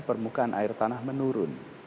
permukaan air tanah menurun